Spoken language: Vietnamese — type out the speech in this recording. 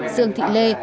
dương thị lê